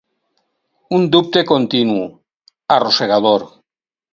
Un dubte continu, arrossegador.